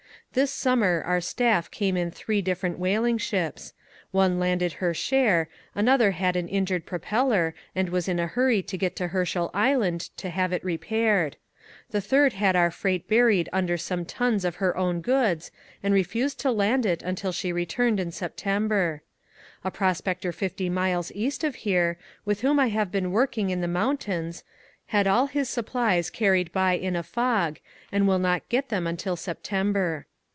This summer our stuff came in three different whaling ships. One landed her share ; another had an injured propeller and was in a hurry to get to Herschell Island to have it repaired ; the third had our freight buried un der some tons of her own goods and refifsed to land it until she returned in September. A prospector 50 miles east of here, with whom I have been working in the mountains, had all his supplies carried by in a fog and will not get them until September.